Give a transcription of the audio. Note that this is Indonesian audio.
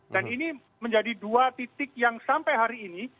dan ini menjadi dua titik yang sampai hari ini